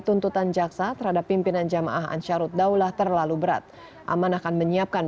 tuntutan jaksa terhadap pimpinan jamaah ansarut daulah terlalu berat aman akan menyiapkan